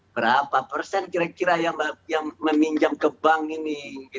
berapa persen kira kira yang meminjam ke bank ini